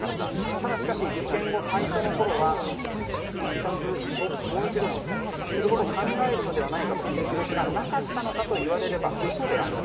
ただ、しかし事件後最初のころは自殺をもう一度することを考えるのではないかという気持ちがなかったのかと言われれば嘘であると。